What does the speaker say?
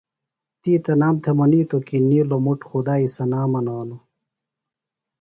تی تنام تھےۡ منِیتوۡ کی نِیلوۡ مُٹ خدائی ثنا منانوۡ۔